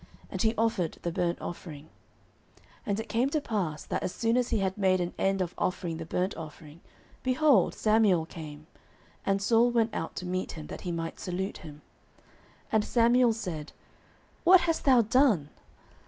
And he offered the burnt offering. 09:013:010 And it came to pass, that as soon as he had made an end of offering the burnt offering, behold, Samuel came; and Saul went out to meet him, that he might salute him. 09:013:011 And Samuel said, What hast thou done?